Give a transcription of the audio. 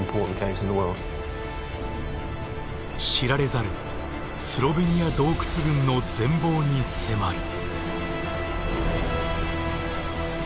知られざるスロベニア洞窟群の全貌に迫る。